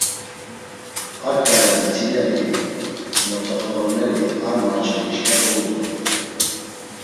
Ar ǩale dzitsineri, motzaxoroneri ar març̌a dişǩa dovutorit.